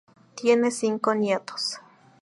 Tiene cinco nietos.